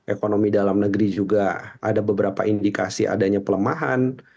ekonomi dalam negeri juga ada beberapa indikasi adanya pelemahan